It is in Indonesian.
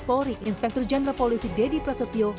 polri inspektur jenderal polisi deddy prasetyo